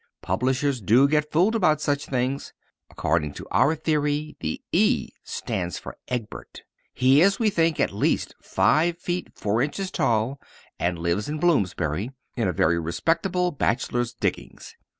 Publishers do get fooled about such things. According to our theory, the E stands for Egbert. He is, we think, at least five feet four inches tall and lives in Bloomsbury, in very respectable bachelor diggings.